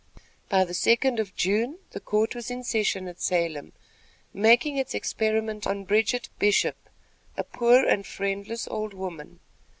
By the second of June, the court was in session at Salem, making its experiment on Bridget Bishop, a poor and friendless old woman.